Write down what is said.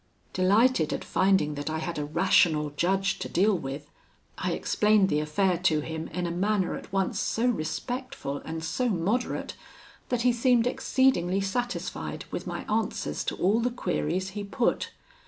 "Delighted at finding that I had a rational judge to deal with, I explained the affair to him in a manner at once so respectful and so moderate, that he seemed exceedingly satisfied with my answers to all the queries he put.